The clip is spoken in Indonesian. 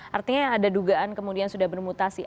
artinya ada dugaan kemudian sudah bermutasi